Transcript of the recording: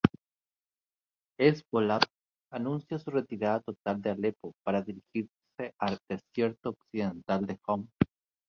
Hezbolá anuncia su retirada total de Alepo para dirigirse al desierto occidental de Homs.